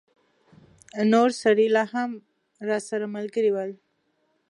نور سړي لا اوس هم راسره ملګري ول.